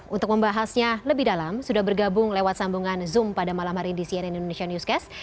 untuk membahasnya lebih dalam sudah bergabung lewat sambungan zoom pada malam hari di cnn indonesia newscast